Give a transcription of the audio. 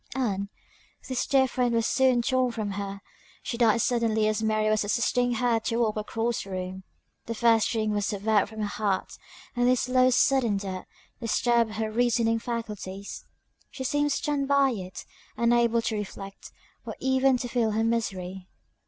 Ann! this dear friend was soon torn from her she died suddenly as Mary was assisting her to walk across the room. The first string was severed from her heart and this "slow, sudden death" disturbed her reasoning faculties; she seemed stunned by it; unable to reflect, or even to feel her misery.